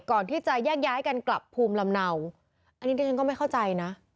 ก่อนที่จะแยกย้ายกันกลับภูมิลำเนาอันนี้ดิฉันก็ไม่เข้าใจนะ